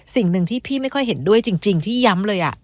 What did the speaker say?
สิ่งหนึ่งที่พี่ไม่ค่อยเห็นด้วยจริงที่ย้ำเลย